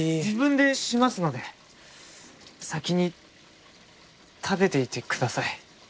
自分でしますので先に食べていてください。